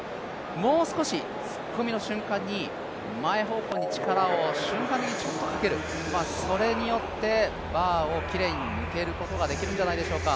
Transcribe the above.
もう少し、突っ込みの瞬間に前方向に力を瞬間的にちょっとかける、それによってバーをきれいに抜けることができるんじゃないでしょうか。